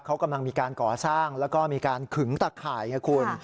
เขากำลังมีการก่อสร้างแล้วก็มีการขึงตะข่ายไงคุณ